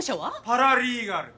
パラリーガル。